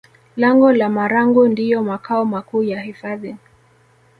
Lango la Marangu ndiyo makao makuu ya hifadhi